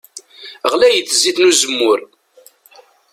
Ɣlayet zzit n uzemmur.